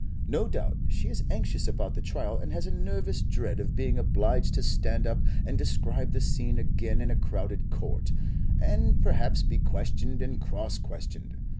No doubt she is anxious about the trial, and has a nervous dread of being obliged to stand up and describe the scene again in a crowded court, and perhaps be questioned and cross questioned.